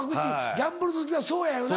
ギャンブル好きはそうやよな